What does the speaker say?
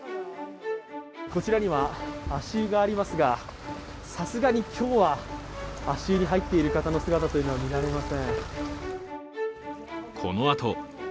こちらには足湯がありますが、さすがに今日は足湯に入っている方の姿というのは見られません。